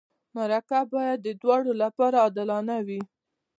مرکه باید د دواړو لپاره عادلانه وي.